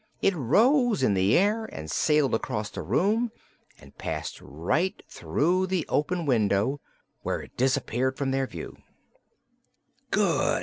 It rose in the air and sailed across the room and passed right through the open window, where it disappeared from their view. "Good!"